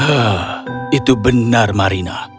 hah itu benar marina